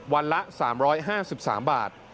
วันละ๓๕๓บาท